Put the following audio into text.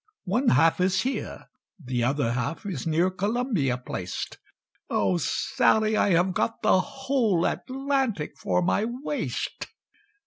"One half is here, the other half Is near Columbia placed; Oh! Sally, I have got the whole Atlantic for my waist.